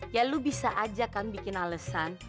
ya lu bisa aja kami bikin alesan